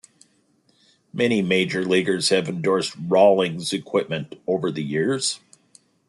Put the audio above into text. Many major leaguers have endorsed Rawlings equipment over the years.